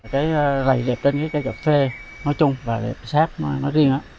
cây dẹp trên cây cà phê nói chung và dẹp sáp nói riêng